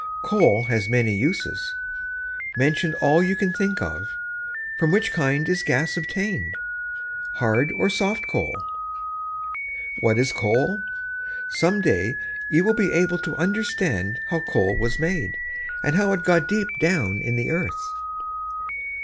Coal has many uses. Mention all you can think of. From which kind is gas obtained, hard or soft coal? What is coal? Some day you will be able to understand how coal was made, and how it got deep down in the earth.